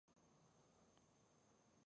پروګرامر لاهم د کابینې پر سر ناست و